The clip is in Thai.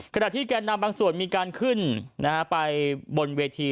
ขณะที่แกนนำบางส่วนมีการขึ้นไปบนเวที